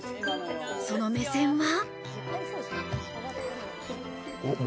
その目線は。